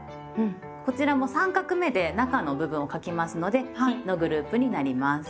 こちらも３画目で中の部分を書きますので「日」のグループになります。